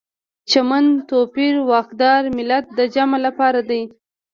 چمن، توپیر، واکدار، ملت د جمع لپاره دي.